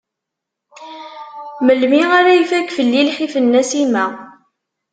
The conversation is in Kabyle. Melmi ara ifakk fell-i lḥif n Nasima?